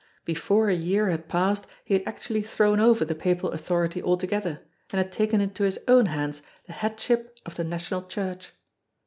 Before a year had passed he had actually thrown over the Papal authority altogether, and had taken into his own hands the headship of the National Church.